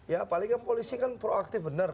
ya paling kan polisi kan proaktif benar